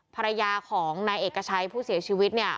ภรรยาของนายเอกชัยผู้เสียชีวิตเนี่ย